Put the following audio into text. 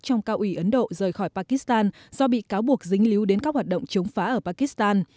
trong cao ủy ấn độ rời khỏi pakistan do bị cáo buộc dính líu đến các hoạt động chống phá ở pakistan